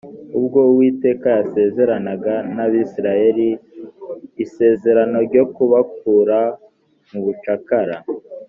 ubwo uwiteka yasezeranaga n abisirayeli isezerano ryo kubakura mu bucakara